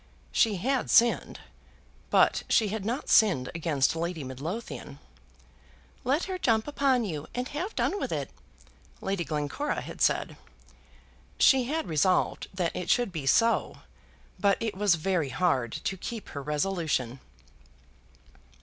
She had sinned, but she had not sinned against Lady Midlothian. "Let her jump upon you, and have done with it," Lady Glencora had said. She had resolved that it should be so, but it was very hard to keep her resolution.